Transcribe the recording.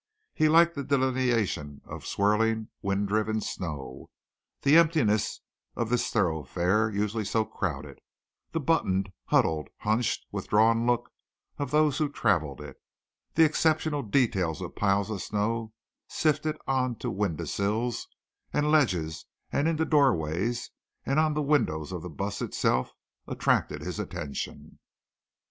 He liked the delineation of swirling, wind driven snow. The emptiness of this thoroughfare, usually so crowded, the buttoned, huddled, hunched, withdrawn look of those who traveled it, the exceptional details of piles of snow sifted on to window sills and ledges and into doorways and on to the windows of the bus itself, attracted his attention.